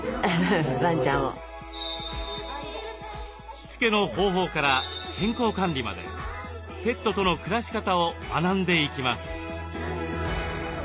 しつけの方法から健康管理までペットとの暮らし方を学んでいきます。